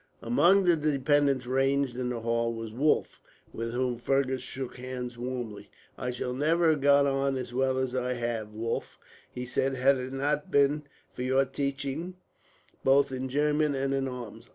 Among the dependents ranged in the hall was Wulf, with whom Fergus shook hands warmly. "I should never have got on as well as I have, Wulf," he said, "had it not been for your teaching, both in German and in arms.